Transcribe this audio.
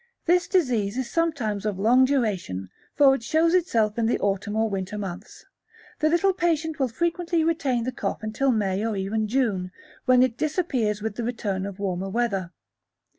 This disease is sometimes of long duration, for if it shows itself in the autumn or winter months, the little patient will frequently retain the cough until May or even June, when it disappears with the return of warmer weather.